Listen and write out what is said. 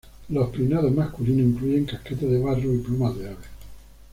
Los peinados masculinos incluyen casquetes de barro y plumas de aves.